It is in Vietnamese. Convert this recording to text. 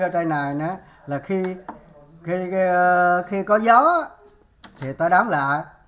thì ta mở ra